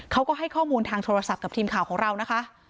เขาก็ให้ข้อมูลทางโทรศัพท์กับทีมข่าวของเรานะคะ